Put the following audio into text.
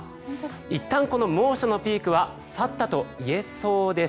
いったんこの猛暑のピークは去ったと言えそうです。